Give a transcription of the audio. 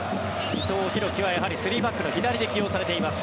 伊藤洋輝はやはり３バックの左で起用されています。